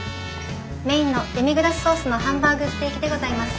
メインのデミグラスソースのハンバーグステーキでございます。